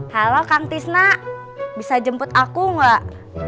halo kang tisna bisa jemput aku nggak